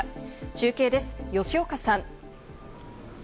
中継です、吉岡さん。